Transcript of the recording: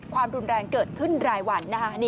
ความรุนแรงเกิดขึ้นรายวันนะคะ